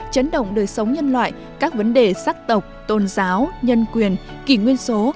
chấn động đời sống nhân loại các vấn đề sắc tộc tôn giáo nhân quyền kỷ nguyên số